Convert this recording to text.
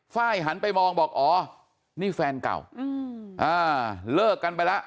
ไฟล์หันไปมองบอกอ๋อนี่แฟนเก่าเลิกกันไปแล้ว